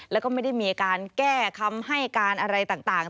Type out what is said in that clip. แล้วก็ไม่ได้มีการแก้คำให้การอะไรต่าง